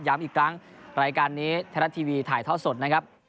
อีกครั้งรายการนี้ไทยรัฐทีวีถ่ายท่อสดนะครับ